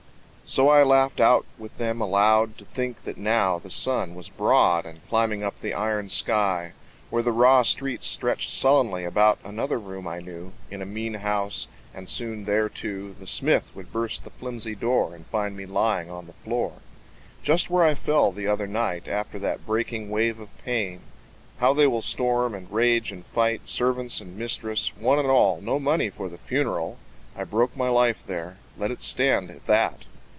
So I laughed out with them aloud To think that now the sun was broad, And climbing up the iron sky, Where the raw streets stretched sullenly About another room I knew, In a mean house and soon there, too, The smith would burst the flimsy door And find me lying on the floor. Just where I fell the other night, After that breaking wave of pain. How they will storm and rage and fight, Servants and mistress, one and all, "No money for the funeral!" I broke my life there. Let it stand At that.